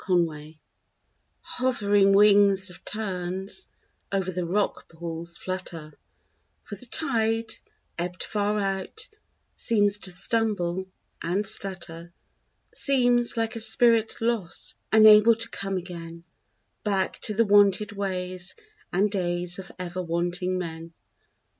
SEANCE Hovering wings of terns Over the rock pools flutter, For the tide, ebbed far out, Seems to stumble and stutter; Seems like a spirit lost, Unable to come again Back to the wonted ways and days Of ever wanting men.